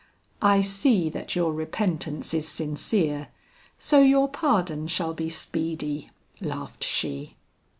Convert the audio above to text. "I see that your repentance is sincere, so your pardon shall be speedy," laughed she.